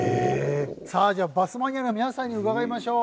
さあバスマニアの皆さんに伺いましょう。